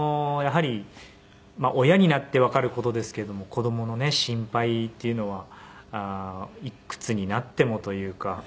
やはり親になってわかる事ですけれども子供のね心配っていうのはいくつになってもというか。